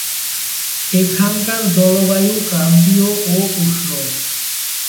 এখানকার জলবায়ু ক্রান্তীয় ও উষ্ণ।